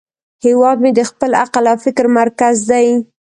هیواد مې د خپل عقل او فکر مرکز دی